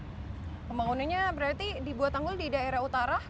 pembangunannya berarti dibuat tanggul di daerah utara